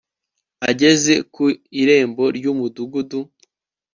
Ageze ku irembo ryumudugudu